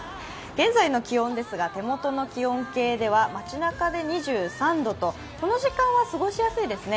現在の気温ですが、手元の気温計では街中で２３度と、この時間は過ごしやすいですね。